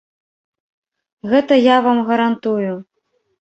Гэта я вам гарантую.